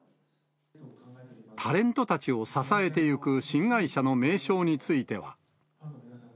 タレントたちを支えていく新会社の名称については。